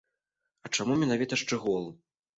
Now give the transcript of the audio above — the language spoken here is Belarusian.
І чаму менавіта шчыгол?